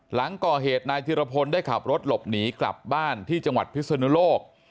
หลังก่อเหตุนายธิรพลได้ขับรถหลบหนีกลับบ้านที่จังหวัดพิศนุโลก